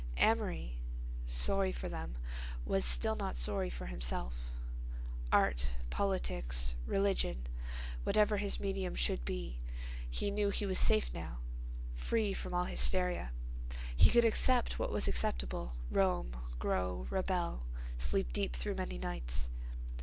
Amory, sorry for them, was still not sorry for himself—art, politics, religion, whatever his medium should be, he knew he was safe now, free from all hysteria—he could accept what was acceptable, roam, grow, rebel, sleep deep through many nights....